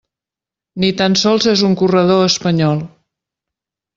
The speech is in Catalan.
Ni tan sols és un corredor espanyol.